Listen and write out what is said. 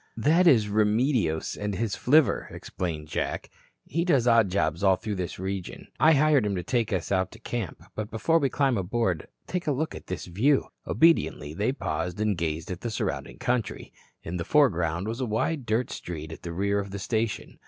"That is Remedios and his flivver," explained Jack. "He does odd jobs all through this region. I hired him to take us out to camp. But before we climb aboard, take a look at this view." Obediently, they paused and gazed at the surrounding country. In the foreground was a wide dirt street at the rear of the station.